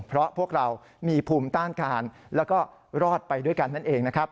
เพราะพวกเรามีภูมิต้านการแล้วก็รอดไปด้วยกันนั่นเองนะครับ